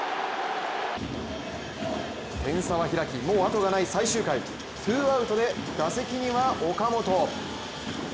点差は開き、もうあとがない最終回、ツーアウトで打席には岡本。